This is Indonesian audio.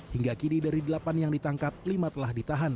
hingga kini dari delapan yang ditangkap lima telah ditahan